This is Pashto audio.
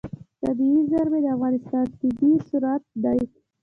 طبیعي زیرمې د افغانستان طبعي ثروت دی.